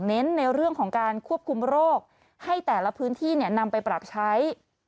ในเรื่องของการควบคุมโรคให้แต่ละพื้นที่นำไปปรับใช้